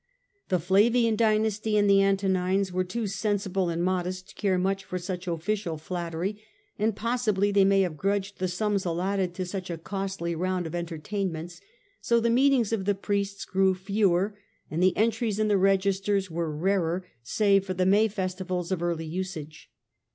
The Flavian dynasty and the Antonines were too sensible and modest to care much for such official flattery, and possibly they may have grudged the sums allotted to such a costly round of entertainments ; so the meetings of the priests grew fewer, and the entries in the registers were rarer, save for the May festivals of early usage.